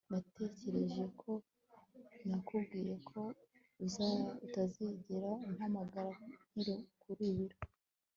natekereje ko nakubwiye ko utazigera umpamagara nkiri ku biro